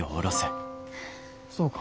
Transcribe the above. そうか。